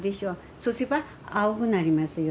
そうすれば青くなりますよ。